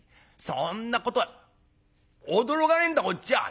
そんなことは驚かねえんだこっちは。